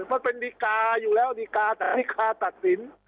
มันเป็นดิกาอยู่แล้วดิกาตัดสิน